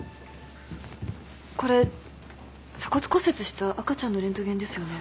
これ鎖骨骨折した赤ちゃんのレントゲンですよね。